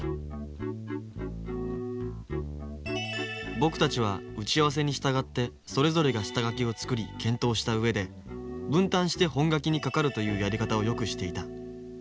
僕たちは打ち合わせに従ってそれぞれが下書きを作り検討した上で分担して本描きにかかるというやり方をよくしていた。